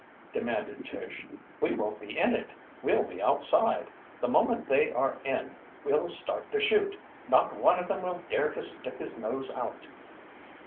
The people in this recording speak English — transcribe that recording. demanded Tish. "We won't be in it. We'll be outside. The moment they are in we'll start to shoot. Not one of them will dare to stick his nose out."